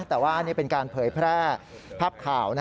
แต่ว่าอันนี้เป็นการเผยแพร่ภาพข่าว